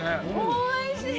・おいしい！